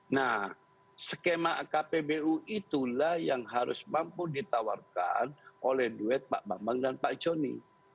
nah skema kpbu itulah yang harus mampu ditawarkan oleh duet pak bambang dan pak joni